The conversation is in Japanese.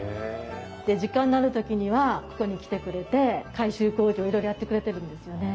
で時間のある時にはここに来てくれて改修工事をいろいろやってくれてるんですよね。